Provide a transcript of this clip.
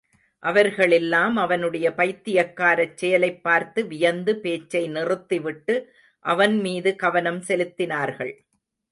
அவர்களெல்லாம் அவனுடைய பைத்தியக்காரச் செயலைப் பார்த்து வியந்து பேச்சை நிறுத்திவிட்டு அவன் மீது கவனம் செலுத்தினார்கள்.